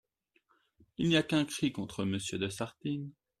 Il n'y a qu'un cri contre Monsieur de Sartine.